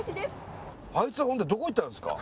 あいつはほんでどこ行ったんですか？